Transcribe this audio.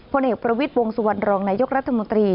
เอกประวิทย์วงสุวรรณรองนายกรัฐมนตรี